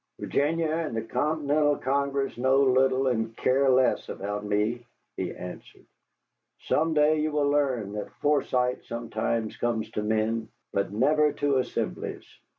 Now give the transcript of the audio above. "Virginia and the Continental Congress know little and care less about me," he answered. "Some day you will learn that foresight sometimes comes to men, but never to assemblies.